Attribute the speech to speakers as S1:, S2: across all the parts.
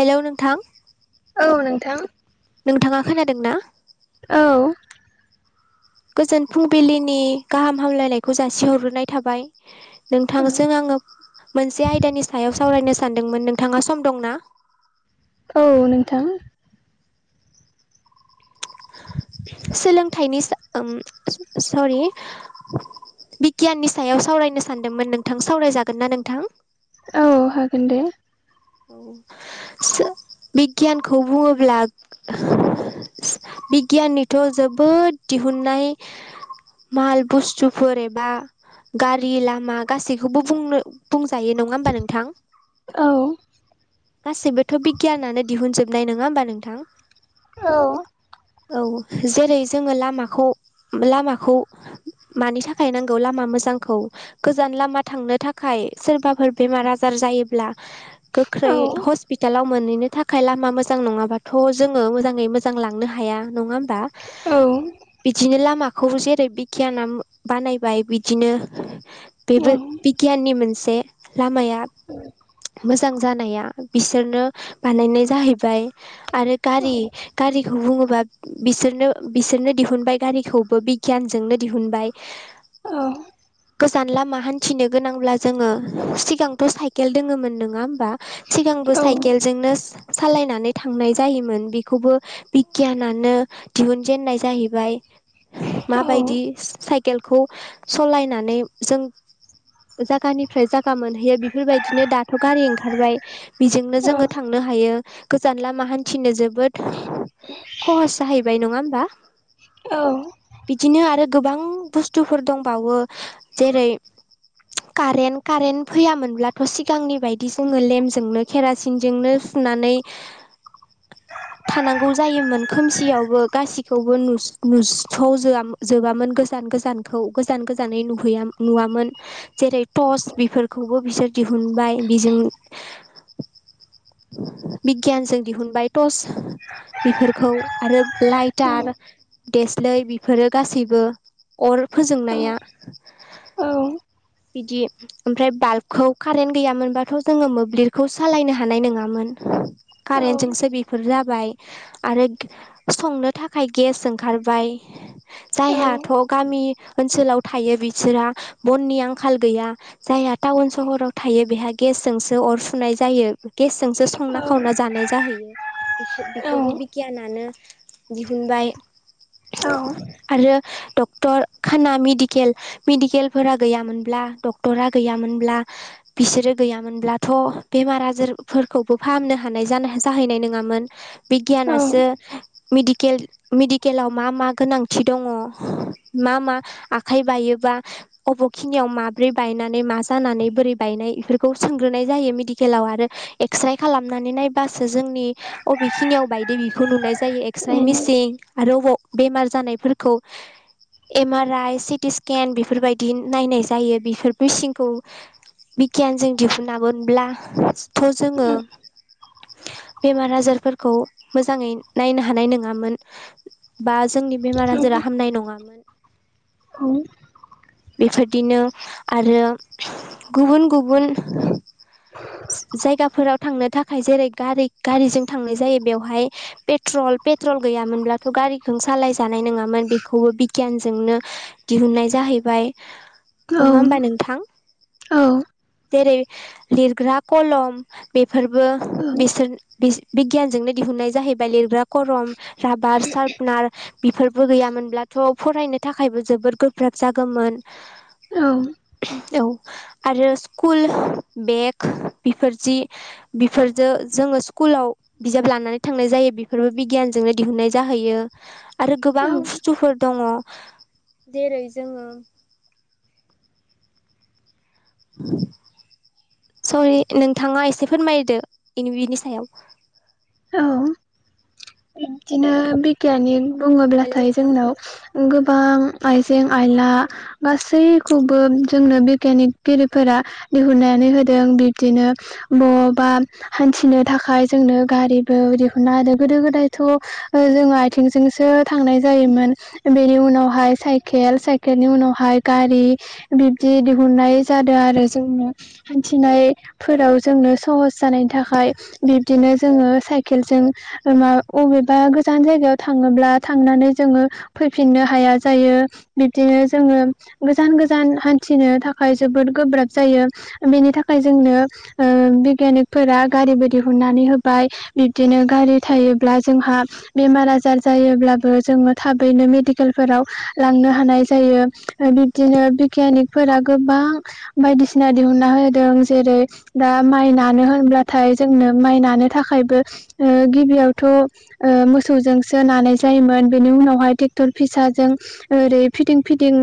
S1: Hello नोंथां।
S2: औ नोंथां।
S1: नोंथाङा खोनादों ना?
S2: औ
S1: गोजोन फुंबिलिनि गाहाम हामलायनायखौ जासिहरग्रोनाय थाबाय नोंथांजों आङो मोनसे आयदानि सायाव सावरायनो सानदोंमोन नों थाङा सम दं ना?
S2: औ नोंथां।
S1: सोलोंथाइनि सो ओम सररि बिगियाननि सायाव सावरायनो सानदोंमोन नोंथां सावरायजागोन ना नोंथां?
S2: औ हागोन दे।
S1: सो बिगियानखौ बुङोब्ला बिगियाननिथ' जोबोद दिहुनाय माल बुस्थुफोर एबा गारि लामा गासैखौबो बुंनो बुं जायो नङा होमबा नोंथां?
S2: औ
S1: गासैबोथ' बिगियानानो दिहुनजोबनाय नोङा होमबा नोंथां?
S2: औ
S1: औ जेरै जोङो लामाखौ लामाखौ मानि थाखाय नांगौ लामा मोजांखौ गोजान लामा थांनो थाखाय सोरबाफोर बेमार आजार जायोब्ला गोख्रै
S2: औ
S1: हस्पिटालाव मोनहैनो थाखाय लामा मोजां नङाबाथ' जोङो मोजाङै मोजां लांनो हाया नङा होम बा
S2: औ
S1: बिदिनो लामा खौ जेरै बिगियाना बानायबाय बिदिनो
S2: औ
S1: बेबो बिगियाननि मोनसे लामाया मोजां जानाया बिसोरनो बानायनाय जाहैबाय आरो गारि गारिखौ बुङो बा बिसोरनो बिसोरनो दिहुनबाय गारिखौबो बिगियानजोंनो दिहुनबाय।
S2: औ
S1: गोजान लामा हान्थिनो गोनांब्ला जोङो सिगांथ' साइकेल दोङोमोन नोङा होम बा सिगांबो साइकेलजोंनो सालायनानै थांनाय जायोमोन बिखौबो बिगियानानो दिहुनजेननाय जाहैबाय। माबायदि साइकेलखौ सालायनानै जों जागानिफ्राय जागा मोनहैयो बेफोरबायदिनो दा गारि ओंखारबाय बिजोंनो जोङो थांनो हायो गोजान लामा हान्थिनो जोबोद ख'हस जाहैबाय नङा होमबा बिदिनो आरो गोबां बुस्थुफोर दंबावो जेरै कारेन्ट कारेन्ट फैयामोनब्लाथ' सिग टांनि बायदि जोङो लेम्पजोंनो केरासिनजोंनो सुनानै थानांगौ जायोमोन खोमसियावबो गासिखौबो नु नुजथ' जोआ जोबामोन गोजान गोजानखौ गोजान गोजानै नुहैया नुवामोन। जेरै टर्च बेफोरखौबो बिसोर दिहुनबाय बिजों [inaudible] बिगियानजों दिहुनबाय टर्च बेफोरखौ आरो लाइटार दे स्लाय बेफोरो गासैबो अर फोजोंनाया बिदि ओमफ्राय बाल्बखौ कारेन्ट गैयामोनबाथ' जोङो मोब्लिबखौ सालायनो हा हानाय नङामोन कारेन्टजोंसो बेफोर जाबाय। आरो संनो थाखाय गेस ओंखारबाय। जायहाथ' गामि ओनसोलाव थायो बिसोरहा बननि आंखाल गैया जायहा टाउन सहराव थायो बेहा गेसजोंसो अर सुनाय जायो गेसजोंसो संना खावना जानाय जाहैयो। बेखो-बेखौबो बिगियानानो दिहुनबाय
S2: औ।
S1: आरो डक्टर खाना मेडिकेल मेडिकेलफोरा गैयामोनब्ला डक्टरा गैयामोनब्ला बिसोरो गैयामोनब्लाथ' बेमार आजार फोरखौबो फाहामनो हानाय जाना-जाहैनाय नङामोन बिगियानासो मिडिकेल मेडिकेलाव मा मा गोनांथि दङ मा मा आखाइ बायो बा अबिखिनियाव माब्रै बायनानै मा जानानै बोरै बायनाय बेफोरखौ सोंग्रोनाय जायो, मेडि केलाव आरो एक्स्राइ खालामनानै नायबासो जोंनि अबेखिनियाव बायदो बेखौ नुनाय जायो। जायो एक्स्राइ मिसिन आरो बेमार जानायफोरखौ M R I, city scan बेफोरबायदि नायनाय जायो बेफोर मेचनखौ बिगियानजों दिहुनामोनब्लाथ' जोङो बेमार आजारफोरखौ मोजाङै नायनो हानाय नङामोन बा जोंनि बेमार आजारा हामनाय नङामोन। बेफोरदिनो आरो गुबुन गुबुन [inaudible] जायगाफोराव थांनो थाखाय जेरै गारि गारिजों थांनाय जायो बेवहाय पेट्रल पेट्रल गै गैयामोनब्लाथ' गारिखौ सालाय जानाय नङामोन बेखौबो बिगियानजोंनो दिहुनाय जा हैबाय नङा होमबा नोंथां? जेरै लिरग्रा कलम बेफोरबो बिसोर बिस बिगियानजोंनो दिहुनाय जाहैबाय। लिरग्रा खरम राबार सार्पनार बेफोरबो गैयामोनब्लाथ' फरायनो थाखायबो जोबोद गोब्राब जागौमोन। औ। आरो स्कुल बेग बेफोर जि बेफोरजों जोङो स्कुलाव बिजाब लानानै थांनाय जायो बेफोरबो बिगियानजोंनो दिहुननाय जाहैयो। आरो गोबां बुस्थुफोर दङ' जेरै जोङो [inaudible] सरि नोंथाङा एसे फोरमायदो बेनि सायाव
S2: औ बिदिनो बिगियाननि
S1: हेलौ
S2: बुङोब्लाथाय
S1: नोंथां
S2: जोंनाव गो
S1: [inaudible]
S2: आइजें आइला गासैखौबो जोंनो बिगियानिकगिरिफोरा दिहुना नानै होदों। बिब्दिनो बबा हानथिनो थाखाय जोंनो गारिबो दिहुनना हो आरो गोदो गो दाइथ' ओ जों आथिंजोंसो थांनाय जायोमोन। बेनि उनावहाय साइकेल साइ केलनि उनावहाय गारि बिबदि दिहुननाय जादों आरो जोंनो हान्थिनाय फोराव जोंनो सहस जानायनि थाखाय बिब्दिनो जोङो साइकेलजों मा अबेबा गोजान जायगायाव थाङोब्ला थांनानै जोङो फैफिननो हाया जायो बिबदि नो जोङो गोजान गोजान हान्थिनो थाखाय जोबोद गोब्राब जायो। बेनि थाखाय जोंनि ओ बिगिनिफोरा गारिबो दिहुनानै होबाय बिबदिनो गारि थायो ब्ला जोंहा बेमार आजार जायोब्लाबो जोङो थाबैनो मेडिकेलफोराव लांनो हानाय जायो। बिबदिनो बिगियानिकफोरा गोबां बायदिसिना दिहुनना होदों जे रै दा माइ नानो होनब्लाथाय जोंनो माइ नानो थाखायबो गिबियाव थ' ओ मोसौजोंसो नानाय जायोमोन बेनि उनावहाय ट्रेक्टर फिसाजों ओरै फिदिं फिदिं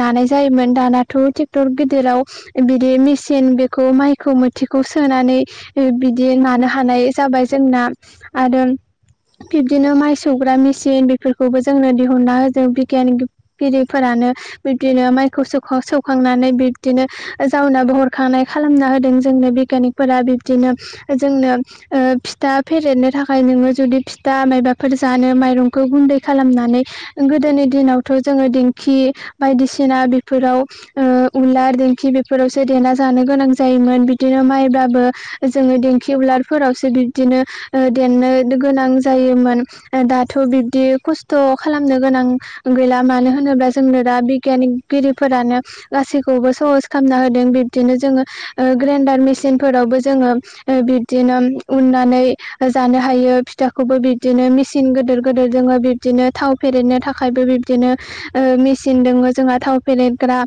S2: नानाय जायोमोन दानाथ' ट्रेक्टर गिदिराव बिदि मेसिन खौ माइखौ मोथिखौ सोनानै बिदि नानो हानाय जाबाय जोंना। आरो बिब्दिनो माइ सौग्रा मेसिन बेफोरखौबो जोंनो दिहुनना होदों बिगियानगिरिफोरा नो। बिबदिनो माइखौ सौखो- सौखांनानै बिब्दिनो जावनाबो हरखानाय खालामना होदों। जोंनो बिगियानिकफोरा बिबदिनो जोंनो फिथा फेरेदनो थाख खाय नोङो जुदि फिथा मायबाफोर जानो माइरंखौ गुन्दै खालामनानै गोदोनि दिनावथ' जा जोङो दिंखि बायदिसिना बेफोराव उलार दिंखि बेफोरावसो देना जानो गोनां जायोमोन बिदिनो माइबा जों देंखि उलारफोरावसो बिबदिनो देनो गोनां जायोमोन दाथ' बिबदि खस्थ' खालामनो गोनां गैला, मानो होनोब्ला जोंनो दा बिगियानगिरिफोरानो गासैखौबो सहस खालामना होदों। बिबदिनो जोङो ओ ग्रेडार मेसिन फोरावबो जोङो बिबदिनो उननानै जानो हायो फिथाखौबो बिबदिनो मेसिन गिदिर गिदिर दोङो बिबदिनो थाव फेरेरनो थाखायबो बि बिदिनो ओ मेसिन दङ जोंहा थाव फेलेरग्रा,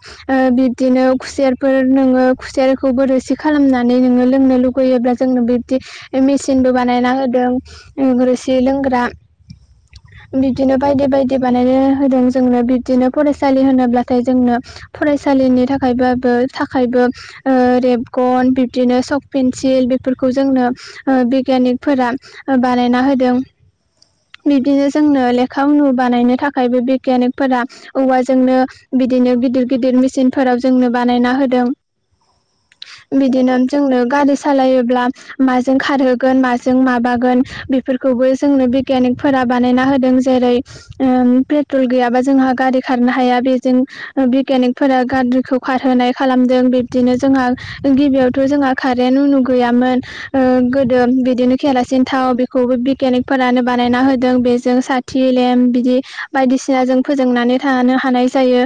S2: बिबदिनो खुसेरफोर खुसेरखौबो रोसि खालामनानै नोङो लोंनो लुगोयोब्ला जोंनो बिब्दि मेसिन बो बानायना होदों रोसि लोंग्रा।
S1: [inaudible]
S2: बिबदिनो बायदि बायदि बानायनो होदों जोंनो बिब्दिनो फरायसालि होनोब्लाथाय जोंनो फरायसा लिनि थाखायबाबो थाखायबो रेबगन बिब्दिनो सक पेन्सिल बेफोरखौ जोंनो बिगियानिकफोरा बानायना होदों। बिब्दिनो जोंनो लेखा उनु बानायनो थाखाय बे बिगियानिकफोरा औवाजोंनो बिदिनो गिदिर गिदिर मेसिनफोराव जोंनो बानायना होदों।
S1: [inaudible]
S2: बिदिनो जोंनो गारि सालायोब्ला माजों खारहोगोन माजों माबागोन बेफोरखौ खौबो जोंनो बिगियानिकफोरा बानायना होदों, जेरै ओ प्रेतल गैयाबा जोंहा गारि खार हाया बेजों बिगियानिकफोरा गाद्रिखौ खारहोनाय खालामदों। बिब्दिनो जोंहा गिबियावथ' जोंहा कारेन्ट गैयामोन गोदो बिदिनो केेरासिन थाव बेखौबो बिगियानिकफोरानो बानायना होदों बेजों साथि लेमप बिदि बायदिसिनाजों फोजों नानै थानो हानाय जायो,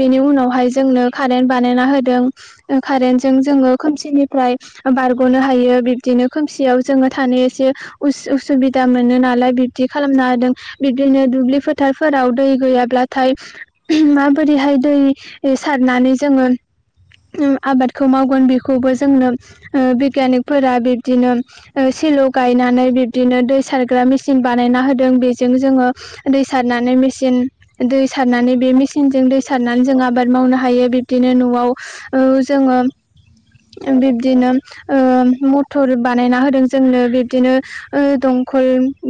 S2: बेनि उनावहाय जोंनो कारेन्ट बानायना होदों। कारेन्टजों जोङो खोमसिनिफ्राय बारग'नो हायो बिबदिनो खोमसियाव जोङो थानो एसे उस-उसुबिदा मोनो नालाय बिबदि खालामनो हादों बिब्दिनो दुब्लि फोथारफोराव दै गैयाब्लाथाय माबोरैहाय दै सारनानै जोङो
S1: [inaudible]
S2: आबादखौ मावगोन बेखौबो जोंनो बिगियानिकफोरा बिब्दिनो सेलौ गायनानै बिब्दिनो दै सारग्रा मेसिन बानायना होदों, बेजों जोङो दै सारनानै मेसि दै सारनानै बे मेसिनजों दै सारनानै जों आबाद मावनो हायो बिबदिनो न'आव औ जोङो बिब्दिनो ओ मथर बानायना होदों जोंनो बिबदिनो दं कल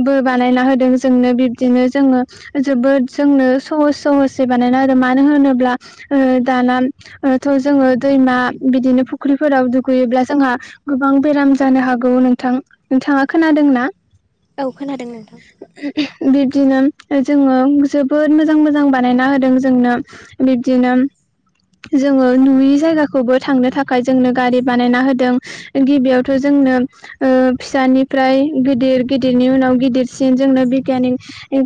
S2: बो बानायना होदों जोंनो बिदिनो जोङो जोबोद जोंनो सहस स सै बानायना होदों। मानो होनोब्ला दाना थ' जोङो दैमा बिदिनो फुख्रिफोराव दुगैयोब्ला जोंहा गोबां बेराम जानो हागौ नोंथां थाङा खोनादों ना?
S1: औ खोनादों नोंथां।
S2: बिब्दिनो जोङो जोबोद मोजां मोजां बानायना होदों जोंनो बिब्दिनो जोङो नुयि जा थांनो थाखाय जोंनो ग बानाय हो गिबियावथ ज निफ्राय गिदिर गिदिरनि उनाव गिदिरसिन जोंनो बिगियानि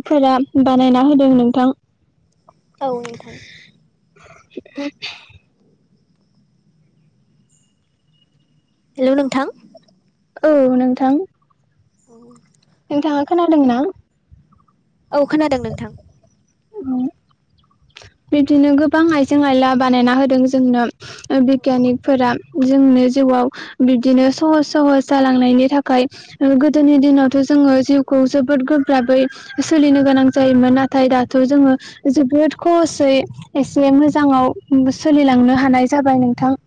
S2: फोर बानायना हो दों नोंथां
S1: औ नथां
S2: ए
S1: हेल' नोंथां।
S2: औ नोंथां।
S1: औ।
S2: नोंथाङा खोनादों ना।
S1: औ खोनादों नोंथां
S2: [inaudible] बिबदिनो गोबां आइजें आयला बानायना होदों जोंनो बिगियानिकफोरा जोंनो। जिउआव बिबदिनो सहस सहस जालांनायनि थाखाय गोदोनि दिनावथ' जोङो। खौ जोबोद गोब्राबै सोलिनो गोनां जायोमोन नाथाय दाथ' जोङो जोबोद खहसयै एसे मोजाङाव सोलिलांनो हानाय जाबाय नोंथां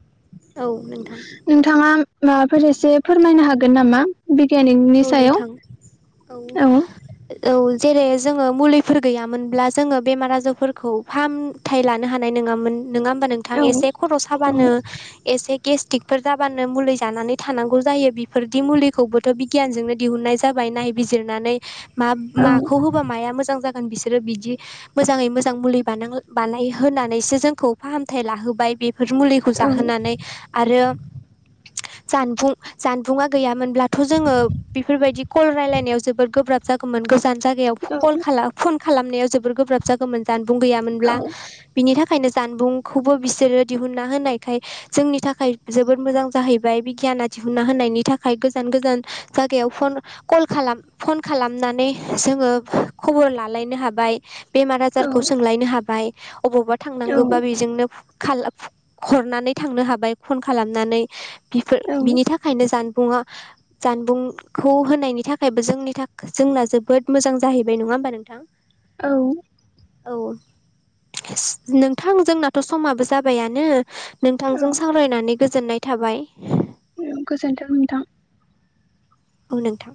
S1: औ नोंथां
S2: नोंथाङा माबाफोर एसे फोरमायनो हागोन नामा? बिगियानिकनि
S1: औ
S2: सायाव
S1: नोंथां औ औ जेरै जोङो मुलिफोर गैयामोनब्ला जोङो बेमार आजारफोरखौ फाहामथायाइ लानो हानाय नङामोन नङा होमबा नोंथां
S2: औ
S1: एसे खर'
S2: औ
S1: साबानो एसे गेस्टिकफोर जाबानो मुलि जानानै थानांगौ जायो बिफोरदि मुलिखौबोथ' गियानजोंनो दिहुनाय जाबाय नायबिजिरनानै मा माखौ होबा माया मोजां जाब। बिसोरो बिदि मोजाङै मोजां मुलि ब बानाय होनानैसो जोंखौ फाहामथाय लाहोबाय बे मुलिखौ
S2: औ
S1: जाहोनानै आरो जानबुं जानबुंङा गैयामोनब्लाथ' जोङो बेफोरबायदि कल रायलायनायाव जोबोद गोब्राब जागौमोन गोजान जायगायाव कल खालाम फन खालामनायाव जोबोर गोब्राब जागौमोन जानबुं
S2: औ
S1: गैयामोनब्ला बिनि थाखाय बेंखायनो जानबुंखौबो बिसोरो दिहुनना होनायखाय जोंनि थाखाय जोबोद मोजां जाहैबाय बिगियान ना दिहुना होनायनि थाखाय गोजान गोजान जायगायाव फन कल खालाम फन खालामनानै जोङो खबर लालायनो हाबाय। बेमार आजारखौ सोंलायनो हाबाय अबावबा थांनांगौबा बेजोंनो हरनानै थांनो हाबाय फन खालामनानै बिफोर बिनि थाखायनो ज [unintelligible] सुबुंखौ होनायनि थाखायबो जोंनि थाखाय जोंना जोबोद मोजां जाहैबाय नङा होमबा नोंथां।
S2: औ।
S1: औ। नोंथां जोंनाथ' समाबो जाबायानो नोंथांजों
S2: औ
S1: सावरायनानै गोजोननाय थाबाय
S2: औ गोजोन्थों नोंथां।
S1: औ नोंथां